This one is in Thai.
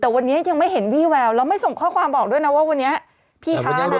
แต่วันนี้ยังไม่เห็นวี่แววแล้วไม่ส่งข้อความบอกด้วยนะว่าวันนี้พี่ช้านะ